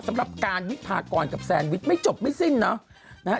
สำหรับการวิพากรกับแซนวิชไม่จบไม่สิ้นเนาะนะฮะ